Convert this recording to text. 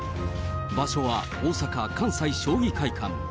場所は大阪・関西将棋会館。